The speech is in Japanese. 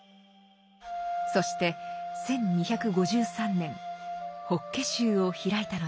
そして１２５３年法華宗を開いたのです。